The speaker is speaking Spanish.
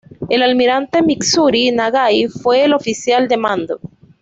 El Almirante Mitsuru Nagai fue el oficial de mando.